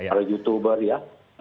para youtuber ya